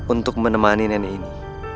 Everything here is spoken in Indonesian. untuk menemani nenek ini